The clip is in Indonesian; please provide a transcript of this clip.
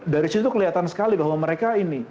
dari situ kelihatan sekali bahwa mereka ini